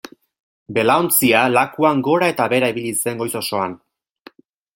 Belaontzia lakuan gora eta behera ibili zen goiz osoan.